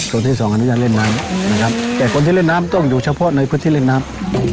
ที่สองอนุญาตเล่นน้ำนะครับแต่คนที่เล่นน้ำต้องอยู่เฉพาะในพื้นที่เล่นน้ำ